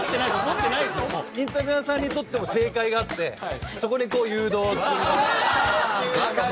インタビューアーさんにとっても正解があってそこにこう誘導する。